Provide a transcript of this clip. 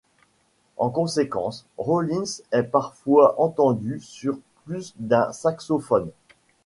En conséquence, Rollins est parfois entendu sur plus d'un saxophone.